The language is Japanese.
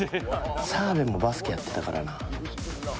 澤部もバスケやってたからな。